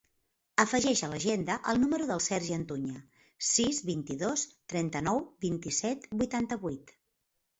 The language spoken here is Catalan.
Afegeix a l'agenda el número del Sergi Antuña: sis, vint-i-dos, trenta-nou, vint-i-set, vuitanta-vuit.